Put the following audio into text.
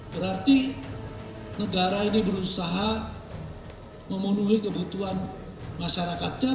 berarti negara ini berusaha memenuhi kebutuhan masyarakatnya